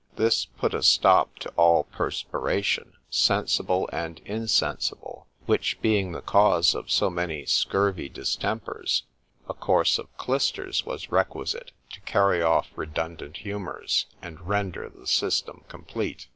——This put a stop to all perspiration, sensible and insensible, which being the cause of so many scurvy distempers—a course of clysters was requisite to carry off redundant humours,—and render the system complete.